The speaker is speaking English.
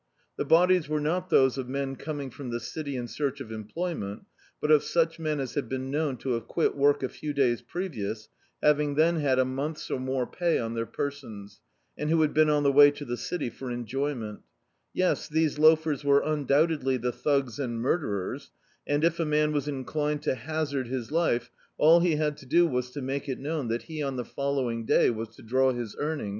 The bodies were not those of men coming from the city in search of employment, but of such men as had been known to have quit work a few days pre vious, having then had a m<mth's or more pay on their persons, and who had been on the way to the city for enjo3niienL Yes, these loafers were un doubtedly the thugs and murderers, and if a man was inclined to hazard his life, all he had to do was to make it known that he on the following day was to draw his earning?